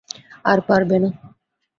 আর পারবে না।